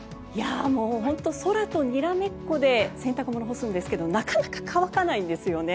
もう本当に空とにらめっこで洗濯物を干すんですがなかなか乾かないんです。